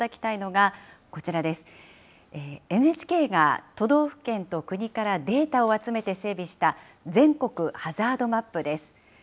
ＮＨＫが都道府県と国からデータを集めて整備した全国ハザードマップです。